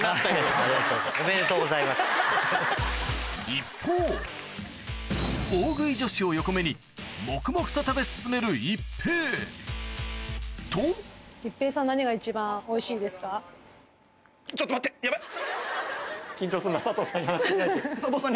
一方大食い女子を横目に黙々と食べ進める一平とヤバい。